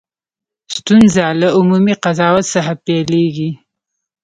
ستونزه له عمومي قضاوت څخه پیلېږي.